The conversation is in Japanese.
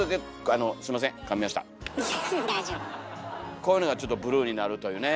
こういうのがちょっとブルーになるというね。